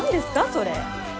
それ。